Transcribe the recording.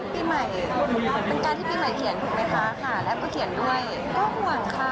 เพราะว่าเขาก็เจ็บหนักอะน้องค่ะ